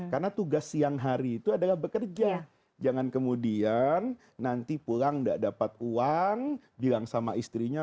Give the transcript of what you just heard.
karena tugas siang hari itu adalah bekerja jangan kemudian nanti pulang enggak dapat uang bilang sama istrinya